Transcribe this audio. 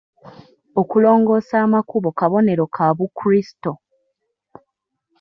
Okulongoosa amakubo kabonero ka Bukrisito.